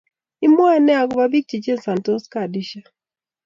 Imwae ne agoba biik chechesansot kadishek?